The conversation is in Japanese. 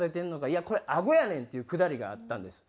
「いやこれあごやねん」っていうくだりがあったんです。